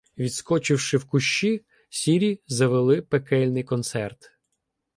Відскочивши в кущі, сірі завели пекельний концерт.